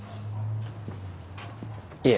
いえ。